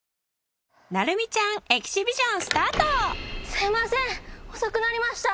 すいません遅くなりました